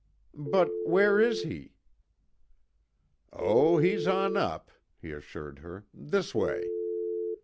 "But where is he?" "Oh, he's on up," he assured her, "This way."